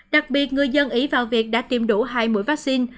đặc biệt người dân ý vào việc đã tiêm đủ hai mũi vaccine